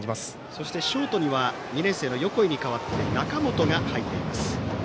そして、ショートには２年生の横井に代わって中本が入っています